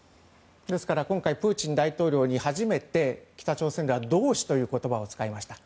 ですから、今回プーチン大統領に初めて北朝鮮では同志という言葉を使いました。